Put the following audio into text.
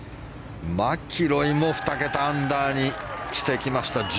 マキロイも２桁アンダーにしてきました。